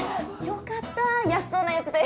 よかった安そうなやつで。